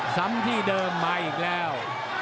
ซ้ำที่เดิมมาอีกแล้ว